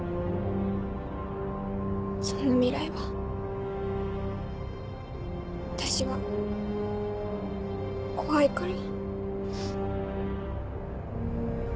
そんな未来は私は怖いから。